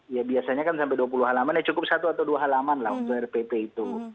ya biasanya kan sampai dua puluh halaman ya cukup satu atau dua halaman lah untuk rpp itu